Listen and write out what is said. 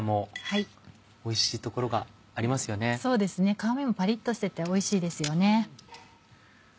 皮目もパリっとしてておいしいですよね。